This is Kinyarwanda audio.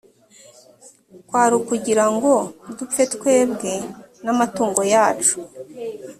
kwari ukugira ngo dupfe twebwe n’amatungo yacu.